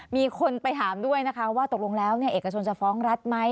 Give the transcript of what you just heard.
มีคนไปถามด้วยนะคะว่าตกลงแล้วเอกชนจะฟ้องรัฐไหม